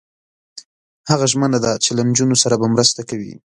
هغه ژمنه ده چې له نجونو سره به مرسته کوي.